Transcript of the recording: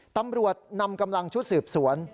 ตำรวจนำกำลังชุดสืบสวน